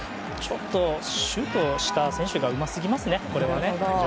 シュートした選手がうますぎますね、これは。